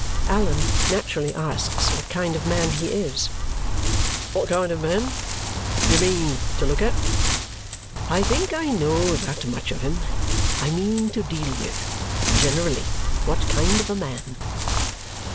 Allan naturally asks what kind of man he is. "What kind of man! Do you mean to look at?" "I think I know that much of him. I mean to deal with. Generally, what kind of man?"